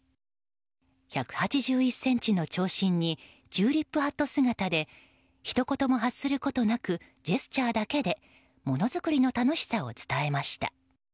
１８１ｃｍの長身にチューリップハット姿でひと言も発することなくジェスチャーだけでものづくりの楽しさを伝えました。